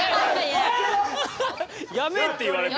「やめ！」って言われてる。